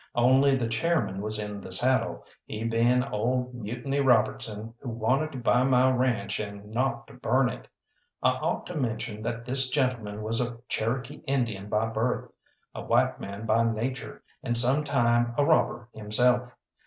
Only the chairman was in the saddle, he being old Mutiny Robertson, who wanted to buy my ranche and not to burn it. I ought to mention that this gentleman was a Cherokee Indian by birth, a white man by nature, and some time a robber himself.